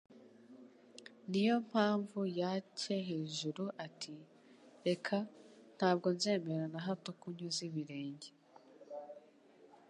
Ni yo mpamvu yatcye hejuru ati : "Reka! Ntabwo nzemera na hato ko unyoza ibirenge."